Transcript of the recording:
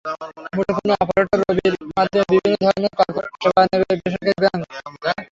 মুঠোফোন অপারেটর রবির মাধ্যমে বিভিন্ন ধরনের করপোরেট সেবা নেবে বেসরকারি ব্র্যাক ব্যাংক।